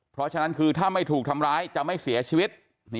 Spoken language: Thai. เพราะฉะนั้นคือถ้าไม่ถูกทำร้ายจะไม่เสียชีวิต